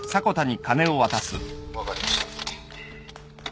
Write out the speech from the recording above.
分かりました。